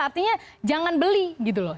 artinya jangan beli gitu loh